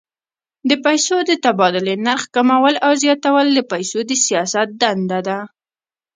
د پیسو د تبادلې نرخ کمول او زیاتول د پیسو د سیاست دنده ده.